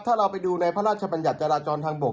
ถ้าเราไปดูในพระราชบัญญัติจราจรทางบก